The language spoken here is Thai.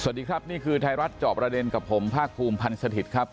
สวัสดีครับนี่คือไทยรัฐจอบประเด็นกับผมภาคภูมิพันธ์สถิตย์ครับ